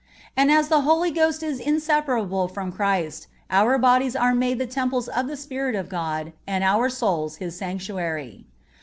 (40) And as the Holy Ghost is inseparable from Christ, our bodies are made the temples of the Spirit of God and our souls His Sanctuary.